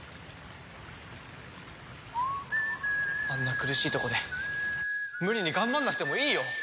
あんな苦しいとこで無理に頑張んなくてもいいよ。